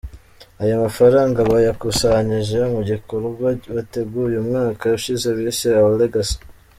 Aya mafaranga bayakusanyije mu gikorwa bateguye umwaka ushize bise “Our Legacy”.